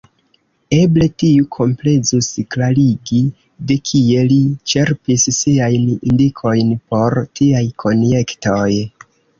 Eble tiu komplezus klarigi, de kie li ĉerpis siajn indikojn por tiaj konjektoj.